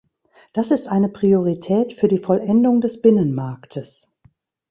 Das ist eine Priorität für die Vollendung des Binnenmarktes.